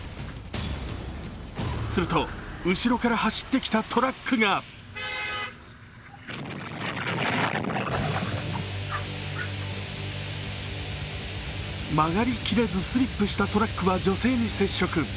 すると、後ろから走ってきたトラックが曲がり切れずスリップしたトラックは女性に接触。